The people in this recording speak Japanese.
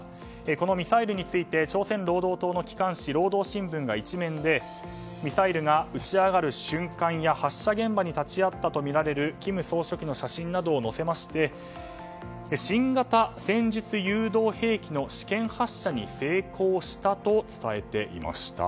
このミサイルについて朝鮮労働党の機関紙労働新聞が１面でミサイルが打ち上がる瞬間や発射現場に立ち会ったとみられる金総書記の写真などを載せまして新型戦術誘導兵器の試験発射に成功したと伝えていました。